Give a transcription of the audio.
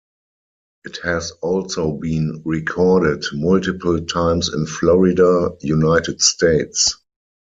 It has also been recorded multiple times in Florida, United States.